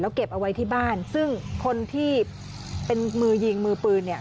เก็บเอาไว้ที่บ้านซึ่งคนที่เป็นมือยิงมือปืนเนี่ย